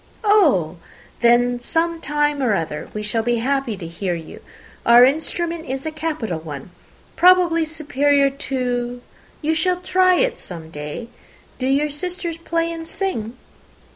"Oh then some time or other we shall be happy to hear you. Our instrument is a capital one, probably superior to you shall try it some day. Do your sisters play and sing?"